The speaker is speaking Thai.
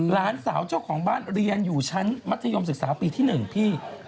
หลานสาวเจ้าของบ้านเรียนอยู่ชั้นมัธยมศึกษาปีที่๑พี่